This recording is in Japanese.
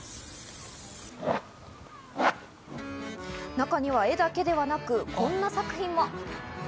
中には絵だけではなく、こんな作品も。